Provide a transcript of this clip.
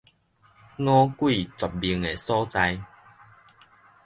五鬼絕命个所在